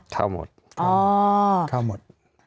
เข้าหมดเข้าหมด